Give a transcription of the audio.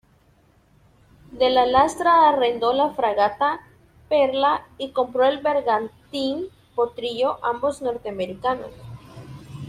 De la Lastra arrendó la fragata Perla y compró el bergantín Potrillo ambos norteamericanos.